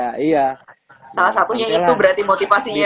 salah satunya itu berarti motivasinya ya